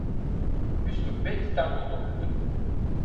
Üsküp ve İstanbul'da okudu.